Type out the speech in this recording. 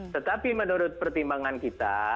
tetapi menurut pertimbangan kita